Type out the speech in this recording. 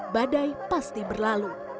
badai pasti berlalu